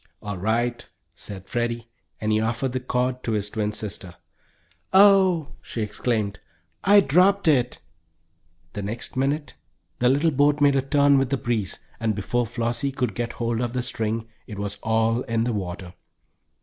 "All right," said Freddie, and he offered the cord to his twin sister. "Oh," she exclaimed, "I dropped it!" The next minute the little boat made a turn with the breeze, and before Flossie could get hold of the string it was all in the water!